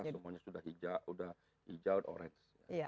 semuanya sudah hijau dan orange